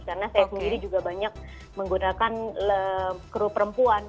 karena saya sendiri juga banyak menggunakan kru perempuan